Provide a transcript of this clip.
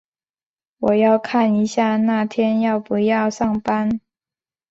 我要看一下那天要不要上班。